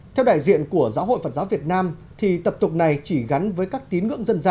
theo đại diện của giáo hội phật giáo việt nam thì tập tục này chỉ gắn với các tín ngưỡng dân gian